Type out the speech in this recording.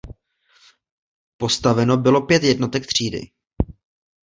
Postaveno bylo pět jednotek třídy.